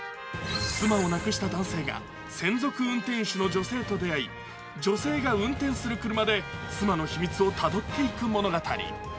妻を亡くした男性が専属運転手の女性と出会い、女性が運転する車で妻の秘密をたどっていく物語。